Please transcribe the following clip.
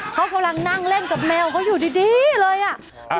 เขากำลังนั่งเล่นกับแมวเขาอยู่ดีเลยอ่ะ